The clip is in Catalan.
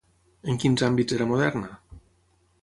En quins àmbits era moderna?